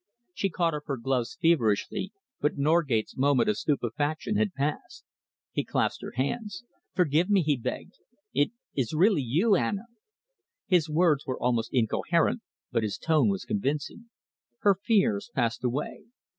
She caught up her gloves feverishly, but Norgate's moment of stupefaction had passed. He clasped her hands. "Forgive me," he begged. "It is really you Anna!" His words were almost incoherent, but his tone was convincing. Her fears passed away.